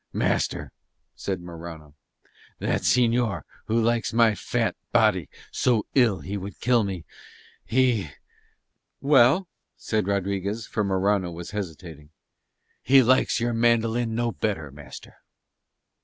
"Master," said Morano, "that señor who likes my fat body so ill he would kill me, he ..." "Well?" said Rodriguez, for Morano was hesitating. "He likes your mandolin no better, master."